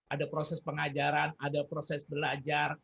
ada proses pengajaran ada proses belajar